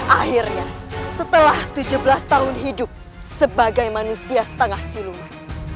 akhirnya setelah tujuh belas tahun hidup sebagai manusia setengah siluman